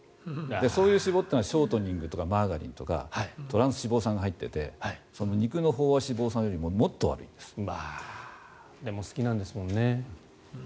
そういう脂肪というのはショートニングとかマーガリンとかトランス脂肪酸が入っていて肉の飽和脂肪酸よりもでも好きなんですもんね。